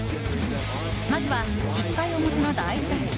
まずは１回表の第１打席。